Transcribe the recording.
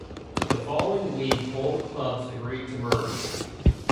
The following week both clubs agreed to merge.